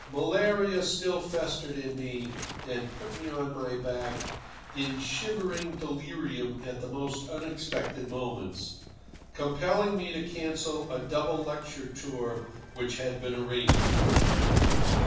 Malaria still festered in me and put me on my back in shivering delirium at the most unexpected moments, compelling me to cancel a double lecture tour which had been arranged.